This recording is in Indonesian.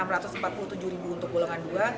rp enam ratus empat puluh tujuh untuk golongan dua